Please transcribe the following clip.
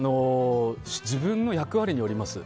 自分の役割によります。